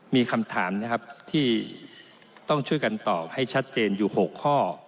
มีคำถามนะครับที่ต้องช่วยกันตอบให้ชัดเจนอยู่๖ข้อ